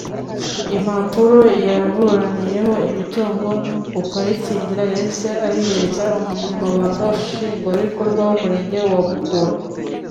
Impapuro yaburaniyeho imitungo akayitsindira yahise azihereza Umunyamabanga Nshingwabikorwa w’Umurenge wa Mukura